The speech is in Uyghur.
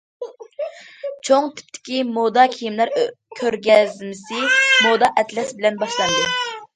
چوڭ تىپتىكى مودا كىيىملەر كۆرگەزمىسى« مودا ئەتلەس» بىلەن باشلاندى.